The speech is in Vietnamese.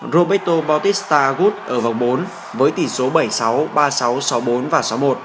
roberto bautista agut ở vòng bốn với tỷ số bảy sáu ba sáu sáu bốn và sáu một